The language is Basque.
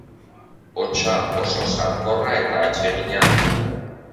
Hotsa oso sarkorra eta atsegina du.